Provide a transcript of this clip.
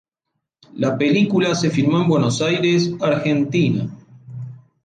La película se filmó en Buenos Aires, Argentina.